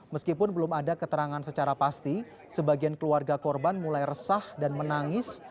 meskipun belum ada keterangan secara pasti sebagian keluarga korban mulai resah dan menangis